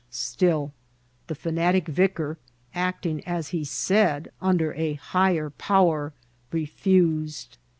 Still the fanatic vicar, acting, as he said, under a higher power, refused.